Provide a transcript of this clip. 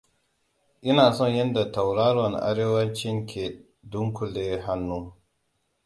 Ina son yadda tauraron Arewacin ke dunƙule hannu!